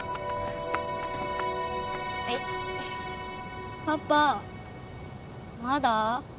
はいパパまだ？